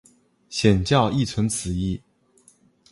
显教亦存此义。